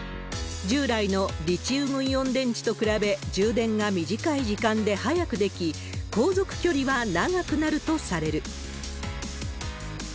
従来のリチウムイオン電池と比べ、充電が短い時間で速くでき、後続距離は長くなるとされる。